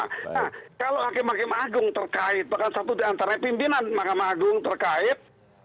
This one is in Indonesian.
nah kalau hakim hakim agung terkait bahkan satu di antara pimpinan mahkamah agung terkait